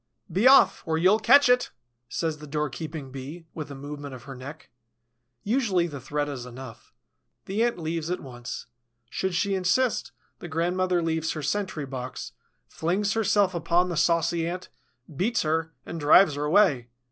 "Be off, or you'll catch it!" says the doorkeeping Bee, with a movement of her neck. Usually the threat is enough. The Ant leaves at once. Should she insist, the grandmother leaves her sentry box, flings herself upon the saucy Ant, beats her, and drives her away.